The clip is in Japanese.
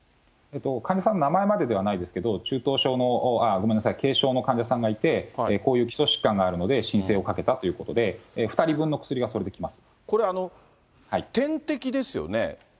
患者さんの名前までではないですけども、中等症の、ごめんなさい、軽症の患者さんがいて、こういう基礎疾患があるので申請をかけたということで、これ、点滴ですよね。